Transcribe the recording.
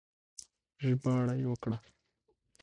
ژباړه يې وکړه